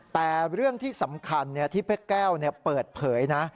แต่เรื่องที่สำคัญที่เพชรแก้วเปิดเผยนะ